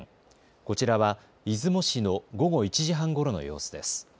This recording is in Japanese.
こちらは出雲市の午後１時半ごろの様子です。